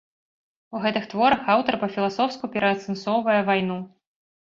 У гэтых творах аўтар па-філасофску пераасэнсоўвае вайну.